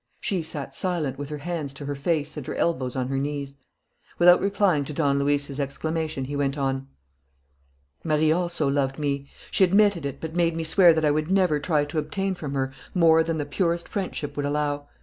She sat silent, with her hands to her face and her elbows on her knees. Without replying to Don Luis's exclamation, he went on: "Marie also loved me. She admitted it, but made me swear that I would never try to obtain from her more than the purest friendship would allow.